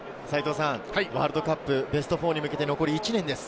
ワールドカップベスト４に向けて残り１年です。